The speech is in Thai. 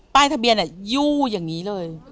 ป้ายทะเบียนยู่อย่างนี้เลย